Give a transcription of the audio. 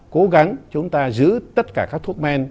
cố gắng chúng ta giữ tất cả các thuốc men